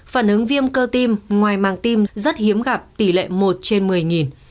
phản ứng viêm cơ tiêm ngoài mang tiêm rất hiếm gặp tỷ lệ một trên một mươi